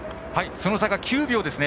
その差が９秒ですね。